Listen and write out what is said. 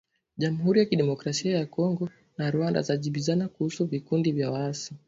Jamhuri ya Kidemokrasia ya Kongo na Rwanda zajibizana kuhusu vikundi vya waasi